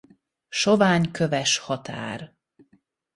Sovány köves határ.